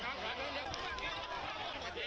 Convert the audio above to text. โอเคโอเคโอเค